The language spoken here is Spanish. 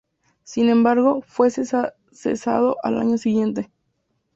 Sin embargo, fue cesado al año siguiente.